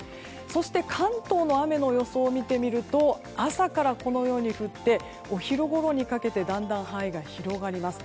そして、関東の雨の予想見てみますと朝から降って、お昼ごろにかけてだんだん範囲が広がります。